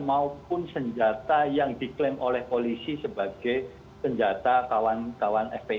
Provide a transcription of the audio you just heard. maupun senjata yang diklaim oleh polisi sebagai senjata kawan kawan fpi